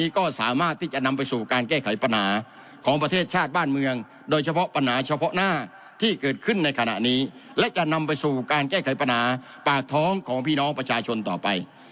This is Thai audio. การแก้ไขปัญหาปากท้องของพี่น้องประชาชนต่อไป